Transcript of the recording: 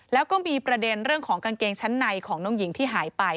แล้วก็มีประเด็นเรื่องของกางเกงชั้นในของน้องหญิงที่หายไป